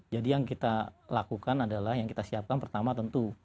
jadi yang kita lakukan adalah yang kita siapkan pertama tentu